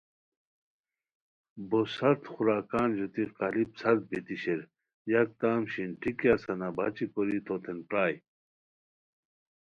بو سرد خوراکان ژوتی قالیپ سرد بیتی شیر یکدم شین ٹھیکیہ سنا باچی کوری تو تین پرائے